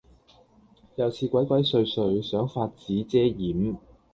又是鬼鬼祟祟，想法子遮掩，